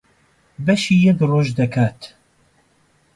بەشی یەک ڕۆژ دەکات.